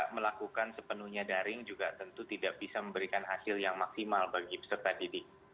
melakukan sepenuhnya daring juga tentu tidak bisa memberikan hasil yang maksimal bagi peserta didik